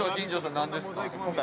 何ですか？